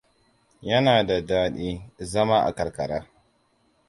Yana da daɗi, zama a karkara.